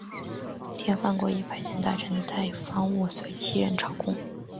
天方国也派遣大臣带方物随七人朝贡。